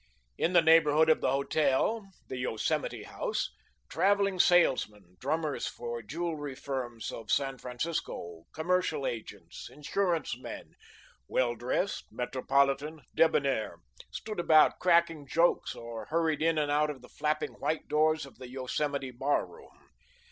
In the neighbourhood of the hotel, the Yosemite House, travelling salesmen, drummers for jewelry firms of San Francisco, commercial agents, insurance men, well dressed, metropolitan, debonair, stood about cracking jokes, or hurried in and out of the flapping white doors of the Yosemite barroom.